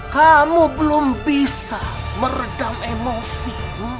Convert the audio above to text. kamu belum bisa meredam emosi